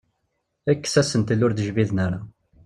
Kkes asentel ur d-jbiden ara.